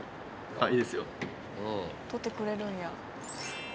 取ってくれるんや。